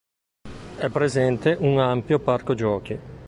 È presente un ampio Parco giochi.